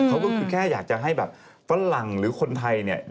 เขาก็แค่อยากจะให้ฝรั่งหรือคนไทย